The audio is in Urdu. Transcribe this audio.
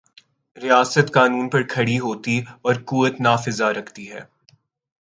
ریاست قانون پر کھڑی ہوتی اور قوت نافذہ رکھتی ہے۔